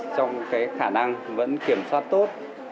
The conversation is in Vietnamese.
trong cái khả năng vẫn kiểm soát tốt